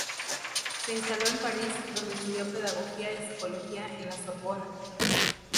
Se instaló en París, donde estudió pedagogía y psicología en la Sorbona.